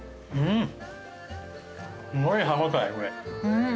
うん。